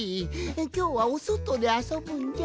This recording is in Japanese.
きょうはおそとであそぶんじゃ？